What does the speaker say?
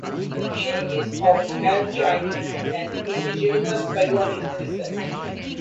She is of Han Chinese and Indigenous Taiwanese descent.